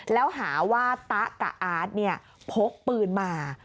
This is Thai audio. แล้วหาว่าตะกับอาร์ตพกปืนมา